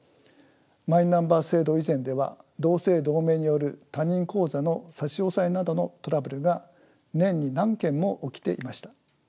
マイナンバー制度以前では同姓同名による他人口座の差し押さえなどのトラブルが年に何件も起きていました。